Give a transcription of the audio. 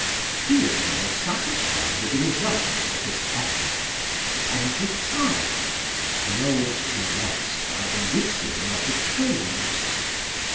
He was well satisfied with the results of his efforts and retired, lulled to rest by the whistling of the trains.